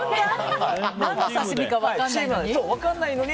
何の刺身か分からないのに？